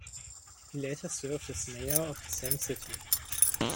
He later served as mayor of the same city.